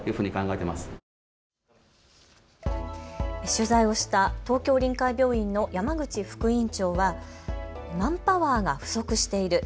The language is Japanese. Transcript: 取材をした東京臨海病院の山口副院長はマンパワーが不足している。